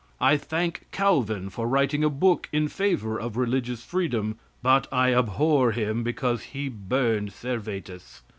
I thank Calvin for writing a book in favor of religious freedom, but I abhor him because he burned Servetus.